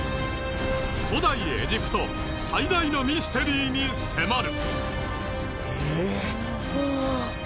古代エジプト最大のミステリーに迫る。